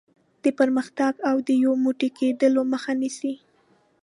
د پرمختګ او یو موټی کېدلو مخه نیسي.